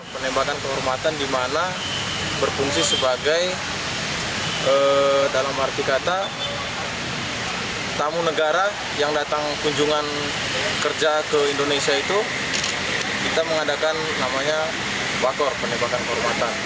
penembakan kehormatan di mana berfungsi sebagai dalam arti kata tamu negara yang datang kunjungan kerja ke indonesia itu kita mengadakan namanya wakor penembakan kehormatan